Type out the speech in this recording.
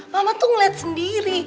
mama tuh ngeliat sendiri